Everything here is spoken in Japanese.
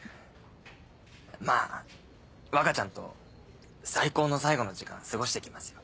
まぁ若ちゃんと最高の最後の時間過ごしてきますよ。